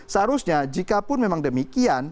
seharusnya jikapun memang demikian